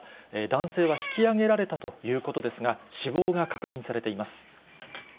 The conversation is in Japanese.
男性は引き上げられたということですが、死亡が確認されています。